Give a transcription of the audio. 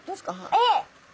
えっ！